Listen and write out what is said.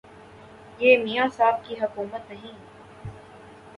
یہ میاں صاحب کی حکومت نہیں